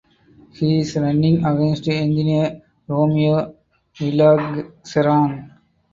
He is running against engineer Romeo Villaceran.